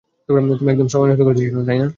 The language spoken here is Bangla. তুমি একদম সময় নষ্ট করতে চাচ্ছ না, তাই না?